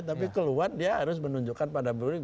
tapi keluar dia harus menunjukkan pada brown